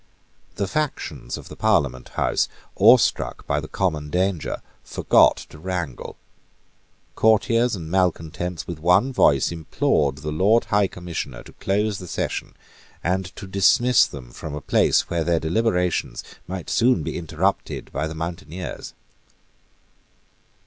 The factions of the Parliament House, awestruck by the common danger, forgot to wrangle. Courtiers and malecontents with one voice implored the Lord High Commissioner to close the session, and to dismiss them from a place where their deliberations might soon be interrupted by the mountaineers.